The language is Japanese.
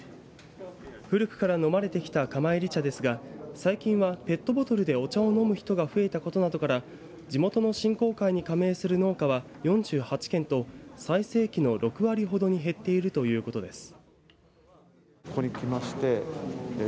古くから飲まれてきた釜炒り茶ですが最近はペットボトルでお茶を飲む人が増えたことなどから地元の振興会に加盟する農家は４８軒と最盛期の６割ほどに減っているということです。